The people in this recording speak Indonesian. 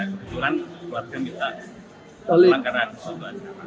untuk mencari tiket mahal juga ya pak